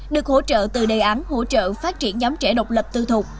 được hỗ trợ từ đề án hỗ trợ phát triển nhóm trẻ độc lập tư thục